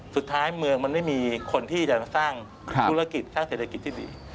เมืองมันไม่มีคนที่จะมาสร้างธุรกิจสร้างเศรษฐกิจที่ดี